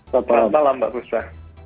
selamat malam mbak fusra